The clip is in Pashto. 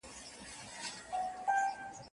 خلع کې باید معاوضه ذکر شي.